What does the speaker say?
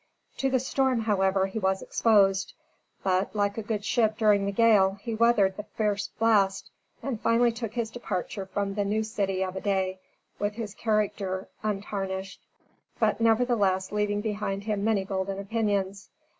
To the storm, however, he was exposed; but, like a good ship during the gale, he weathered the fierce blast, and finally took his departure from the new city of a day, with his character untarnished, but nevertheless leaving behind him many golden opinions.